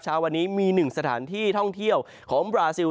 เช้าวันนี้มีหนึ่งสถานที่ท่องเที่ยวของบราซิล